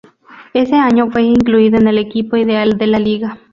Ese año fue incluido en el equipo ideal de la Liga.